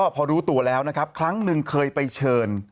พอรู้ตัวแล้วนะครับครั้งหนึ่งเคยไปเชิญ